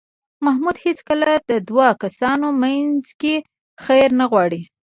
محمود هېڅکله د دو کسانو منځ کې خیر نه غواړي.